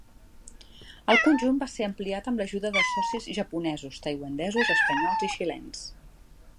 El conjunt va ser ampliat amb l'ajuda de socis japonesos, taiwanesos, espanyols i xilens.